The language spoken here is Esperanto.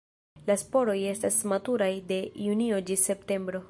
La sporoj estas maturaj de junio ĝis septembro.